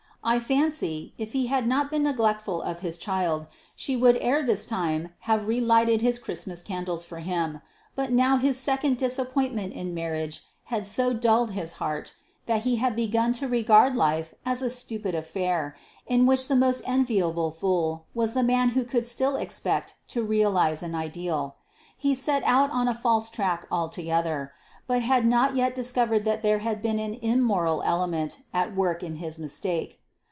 I fancy, if he had not been neglectful of his child, she would ere this time have relighted his Christmas candles for him; but now his second disappointment in marriage had so dulled his heart that he had begun to regard life as a stupid affair, in which the most enviable fool was the man who could still expect to realize an ideal. He had set out on a false track altogether, but had not yet discovered that there had been an immoral element at work in his mistake.